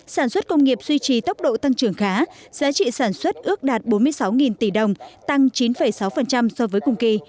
sản xuất công nghiệp duy trì tốc độ tăng trưởng khá giá trị sản xuất ước đạt bốn mươi sáu tỷ đồng tăng chín sáu so với cùng kỳ